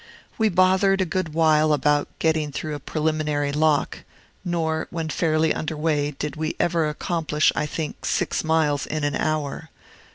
We bothered a good while about getting through a preliminary lock; nor, when fairly under way, did we ever accomplish, I think, six miles an hour.